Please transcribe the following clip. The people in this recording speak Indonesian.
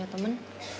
gapapa ya temen